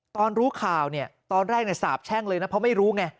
ตอนรู้ข่าวเนี่ยตอนแรกสาบแช่งเลยนะเพราะไม่รู้ไง